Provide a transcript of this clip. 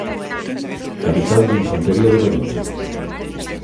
Capitán de infantería de Mariña.